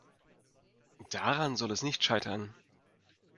Daran soll es nicht scheitern.